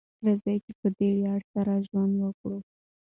راځئ چې په دې ویاړ سره ژوند وکړو.